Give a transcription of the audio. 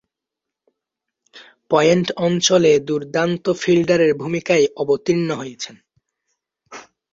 Point অঞ্চলে দূর্দান্ত ফিল্ডারের ভূমিকায় অবতীর্ণ হয়েছেন।